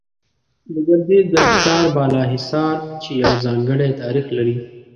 د ګردېز د ښار بالا حصار، چې يو ځانگړى تاريخ لري